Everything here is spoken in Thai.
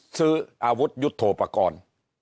ซื้ออาวุธยุทธโทปกรณ์